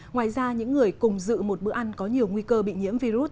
ngoài ra những người cùng dự một bữa ăn có nhiều nguy cơ bị nhiễm virus